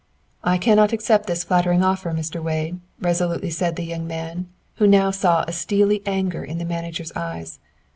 "I cannot accept this flattering offer, Mr. Wade," resolutely said the young man, who now saw a steely anger in the manager's eyes.